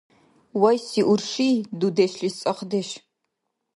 Вайси урши - дудешлис цӀахдеш.